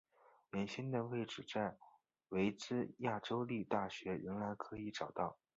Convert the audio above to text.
原先的位置在维兹亚州立大学仍然可以找到。